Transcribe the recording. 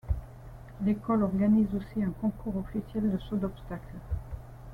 L'école organise aussi un concours officiel de saut d'obstacles.